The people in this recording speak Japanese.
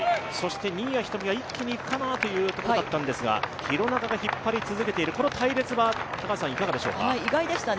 新谷仁美が一気に行くかなというところだったんですが、廣中が引っ張り続けている、この隊列はいかがですか？